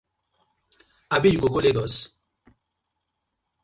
Abi you go go Legos?